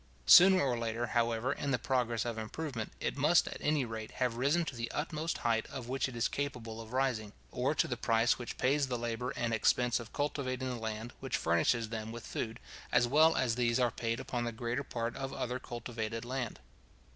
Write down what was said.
Sooner or later, however, in the progress of improvement, it must at any rate have risen to the utmost height to which it is capable of rising; or to the price which pays the labour and expense of cultivating the land which furnishes them with food, as well as these are paid upon the greater part of other cultivated land.